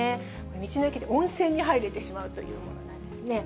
道の駅で温泉に入れてしまうというものなんですね。